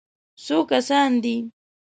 _څو کسان دي؟